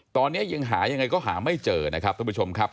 ตอนนี้ยังหายังไงก็หาไม่เจอนะครับท่านผู้ชมครับ